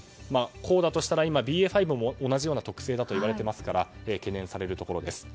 こうだとしたら今ＢＡ．５も同じような特性だといわれていますから懸念されるところです。